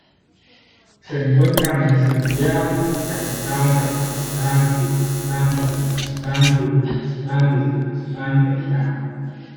Se encuentran en Xinjiang, Afganistán, Kazajistán, Kirguistán, Tayikistán, Turkmenistán, Uzbekistán e Irán.